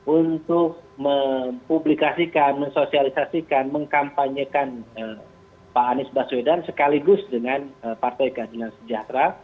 untuk mempublikasikan mensosialisasikan mengkampanyekan pak anies baswedan sekaligus dengan partai keadilan sejahtera